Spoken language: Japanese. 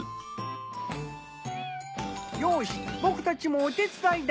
よし僕たちもお手伝いだ！